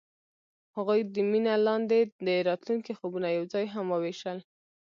هغوی د مینه لاندې د راتلونکي خوبونه یوځای هم وویشل.